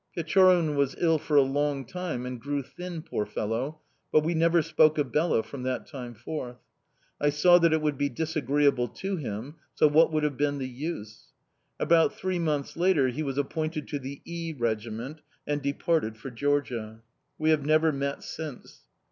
"Pechorin was ill for a long time, and grew thin, poor fellow; but we never spoke of Bela from that time forth. I saw that it would be disagreeable to him, so what would have been the use? About three months later he was appointed to the E Regiment, and departed for Georgia. We have never met since.